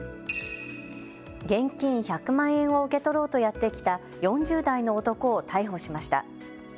現金１００万円を受け取ろうとやって来た４０代の男を逮捕しました。